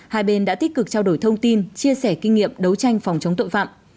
hai bên đã tích cực trao đổi thông tin chia sẻ kinh nghiệm đấu tranh phòng chống tội phạm